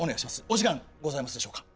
お時間ございますでしょうか？